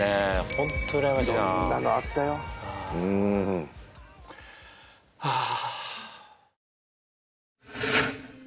ホント羨ましいな色んなのあったようんえっ？